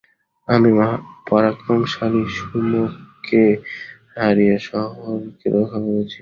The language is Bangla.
আমি পরাক্রমশালী সুমোকে হারিয়ে শহরকে রক্ষা করেছি।